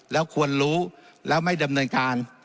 แล้วควรรู้แล้วไม่ดำเนินการ